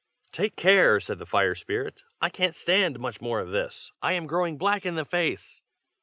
"Take care!" said the fire spirit. "I can't stand much more of this. I am growing black in the face."